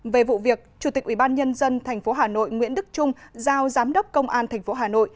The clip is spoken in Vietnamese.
về vụ việc chủ tịch ủy ban nhân dân tp hà nội nguyễn đức trung giao giám đốc công an tp hà nội